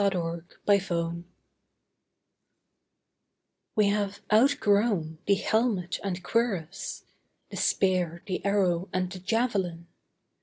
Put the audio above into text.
DISARMAMENT We have outgrown the helmet and cuirass, The spear, the arrow, and the javelin.